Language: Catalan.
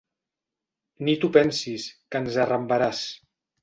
Ni t'ho pensis, que ens arrambaràs!